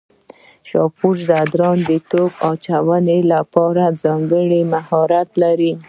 شاپور ځدراڼ د توپ اچونې لپاره ځانګړی مهارت لري.